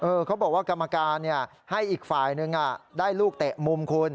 เขาบอกว่ากรรมการให้อีกฝ่ายนึงได้ลูกเตะมุมคุณ